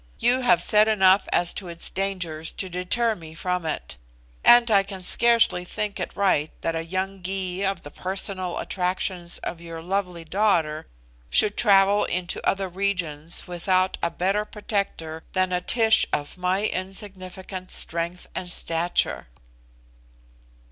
You have said enough as to its dangers to deter me from it; and I can scarcely think it right that a young Gy of the personal attractions of your lovely daughter should travel into other regions without a better protector than a Tish of my insignificant strength and stature."